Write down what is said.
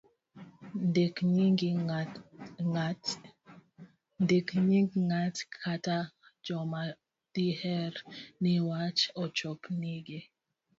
ndik nying' ng'at kata joma diher ni wach ochop nigi